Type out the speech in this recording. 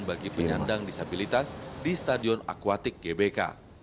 bagi penyandang disabilitas di stadion akwatik gbk